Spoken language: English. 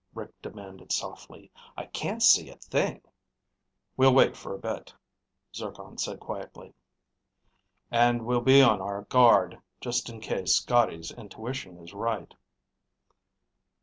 Rick demanded softly. "I can't see a thing." "We'll wait for a bit," Zircon said quietly. "And we'll be on our guard, just in case Scotty's intuition is right."